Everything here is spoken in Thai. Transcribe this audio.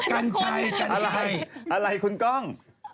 อะไรอะไรคุณก้อง